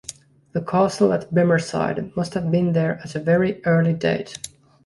The castle at Bemersyde must have been there at a very early date.